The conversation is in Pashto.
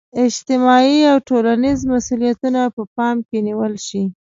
اجتماعي او ټولنیز مسولیتونه په پام کې نیول شي.